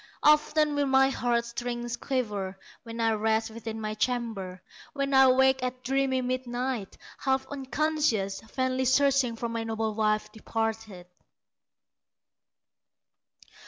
Often will my heart strings quiver When I rest within my chamber, When I wake at dreamy midnight, Half unconscious, vainly searching For my noble wife departed."